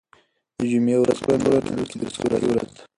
د جمعې ورځ په ټوله نړۍ کې د رخصتۍ ورځ ده.